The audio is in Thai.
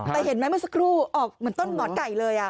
แต่เห็นไหมเมื่อสักครู่ออกเหมือนต้นหมอนไก่เลย